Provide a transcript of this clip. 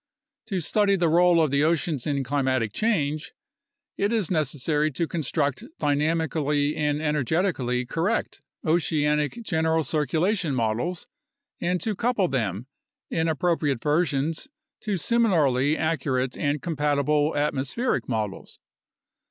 To study the role of the oceans in climatic change, it is necessary to construct dynamically and energetically correct oceanic general cir culation models and to couple them, in appropriate versions, to similarly accurate and compatible atmospheric models.